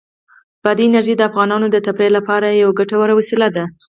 بادي انرژي د افغانانو د تفریح لپاره یوه ګټوره وسیله ده.